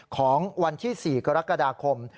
ของวันที่๔กรกฎาคม